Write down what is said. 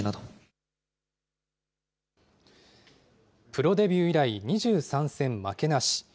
プロデビュー以来、２３戦負けなし。